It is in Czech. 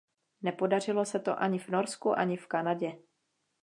Nepodařilo se to ani v Norsku, ani v Kanadě.